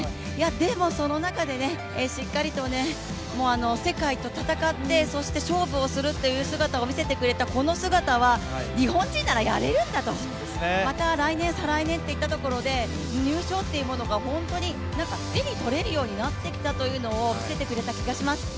でも、その中でしっかりと世界と戦って、そして勝負をするっていう姿を見せてくれたこの姿は日本人ならやれるんだとまた来年再来年といったところで入賞っていうものが手に取れるようになってきたことを，見せてくれた気がします。